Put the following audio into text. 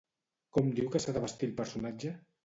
Com diu que s'ha de vestir el personatge?